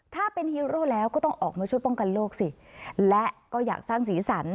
ถ้าเป็นฮีโร่แล้วก็ต้องออกมาช่วยป้องกันโลกสิและก็อยากสร้างสีสัน